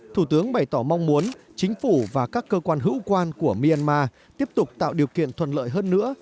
thủ tướng bày tỏ mong muốn chính phủ và các cơ quan hữu quan của myanmar tiếp tục tạo điều kiện thuận lợi hơn nữa